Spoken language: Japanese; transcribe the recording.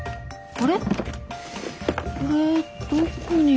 あれ。